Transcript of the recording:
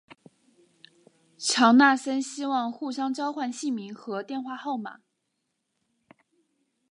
强纳森希望互相交换姓名和电话号码。